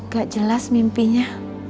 gak jelas mimpinya